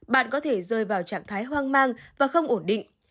bạn có thể rơi vào trạng thái hoang mang và không ổn định